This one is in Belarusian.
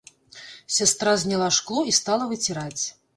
Сястра зняла шкло і стала выціраць.